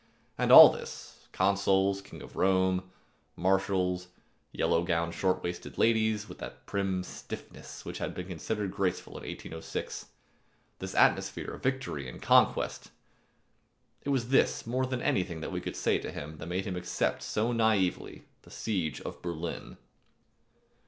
And all this consoles, King of Rome, marshals, yellow gowned, short waisted ladies, with that prim stiffness which was considered graceful in 1806, this atmosphere of victory and conquest it was this more than anything we could say to him that made him accept so naïvely the siege of Berlin.